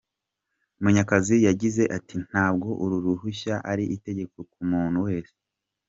Munyakazi yagize ati“Ntabwo uru ruhushya ari itegeko ku muntu wese.